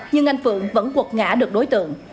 nhưng anh phượng vẫn quật ngã được đối tượng